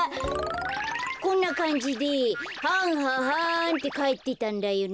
こんなかんじではんははんってかえってたんだよね。